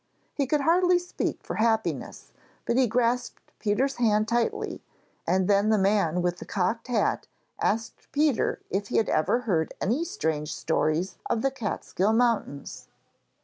He could hardly speak for happiness, but he grasped Peter's hand tightly, and then the man with the cocked hat asked Peter if he had ever heard any strange stories of the Catskill Mountains.